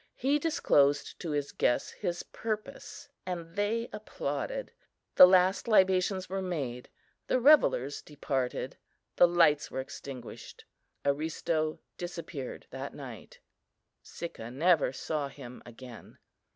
He disclosed to his guests his purpose, and they applauded; the last libations were made—the revellers departed—the lights were extinguished. Aristo disappeared that night: Sicca never saw him again.